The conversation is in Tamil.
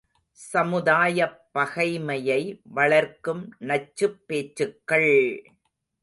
சமுதாயப் பகைமையை வளர்க்கும் நச்சுப் பேச்சுக்கள்!